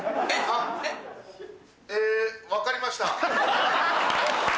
えっ？え分かりました。